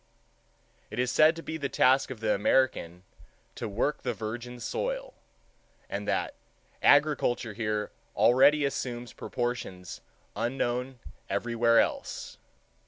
It is said to be the task of the American "to work the virgin soil," and that "agriculture here already assumes proportions unknown everywhere else."